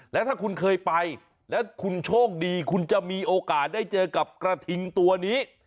แล้วถ้าคุณเคยไปแล้วคุณโชคดีคุณจะมีโอกาสได้เจอกับกระทิงตัวนี้